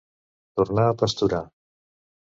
Tornar a pasturar.